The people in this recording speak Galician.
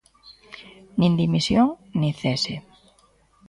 Nin dimisión nin cese.